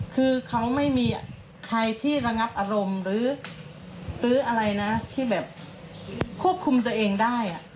คือเขาไม่มีใครที่ระงับอารมณ์หรืออะไรนะที่แบบควบคุมตัวเองได้